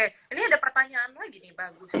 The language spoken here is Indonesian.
ini ada pertanyaan lagi nih bagus